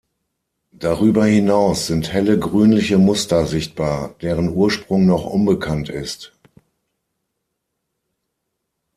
Darüber hinaus sind helle grünliche Muster sichtbar, deren Ursprung noch unbekannt ist.